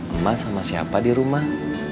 emak sama siapa di rumah